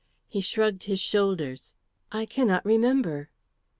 He shrugged his shoulders. "I cannot remember."